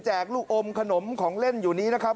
ลูกอมขนมของเล่นอยู่นี้นะครับ